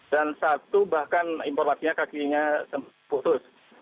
dan satu bahkan informasinya kakinya putus